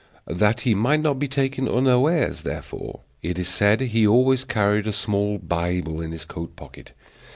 That he might not be taken unawares, therefore, it is said he always carried a small Bible in his coat pocket.